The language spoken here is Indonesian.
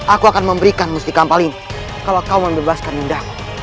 aku akan memberikan mustika apalagi kalau kau membebaskan yundaku